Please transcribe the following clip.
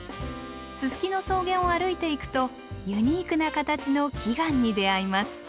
ススキの草原を歩いていくとユニークな形の奇岩に出会います。